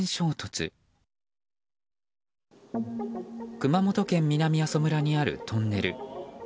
熊本県南阿蘇村にあるトンネル。